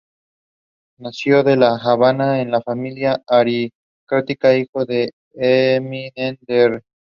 Nació en La Habana en una familia aristocrática, hijo del eminente Dr.